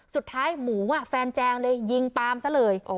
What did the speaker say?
สุดท้ายหมูอ่ะแฟนแจงเลยยิงปามซะเลย